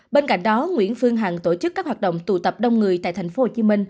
bên cạnh đó nguyễn phương hằng tổ chức các hoạt động tụ tập đông người tại tp hcm